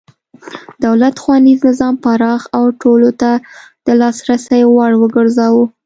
دولت ښوونیز نظام پراخ او ټولو ته د لاسرسي وړ وګرځاوه.